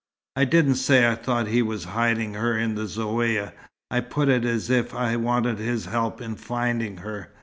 I didn't say I thought he was hiding her in the Zaouïa. I put it as if I wanted his help in finding her.